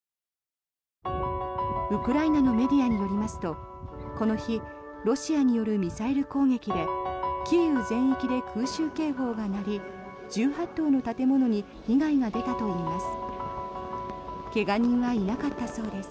ウクライナのメディアによりますとこの日ロシアによるミサイル攻撃でキーウ全域で空襲警報が鳴り１８棟の建物に被害が出たといいます。